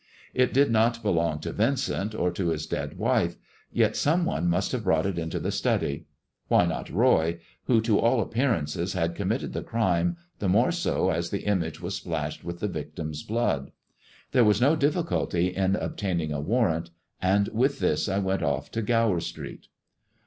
It did not belong to Vincent, or to his dead wife, yet some one must have brought it into the study. Why not Roy, who, to all appearances, had com mitted the crime, the more so as the image was splashed with the victim's blood? There was no difficulty in obtaining a warrant, and with this I went off to Gower Street.